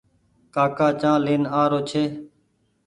ڪآڪآ چآنه لين آرو ڇي۔